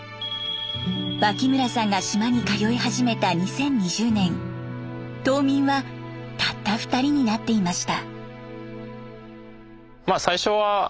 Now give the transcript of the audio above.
脇村さんが島に通い始めた２０２０年島民はたった２人になっていました。